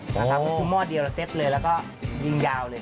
คือหมดเดียวแล้วเต็ปเลยแล้วก็ยิ่งยาวเลย